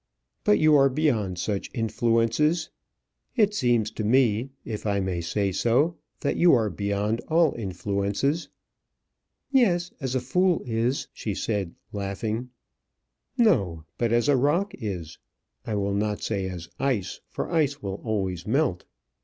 But you are beyond such influences. It seems to me, if I may say so, that you are beyond all influences." "Yes; as a fool is," she said, laughing. "No; but as a rock is. I will not say as ice, for ice will always melt."